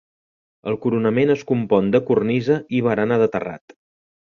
El coronament es compon de cornisa i barana de terrat.